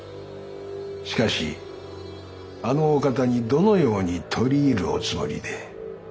しかしあのお方にどのように取り入るおつもりで。